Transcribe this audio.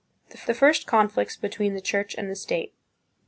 The First Conflicts between the Church and the State.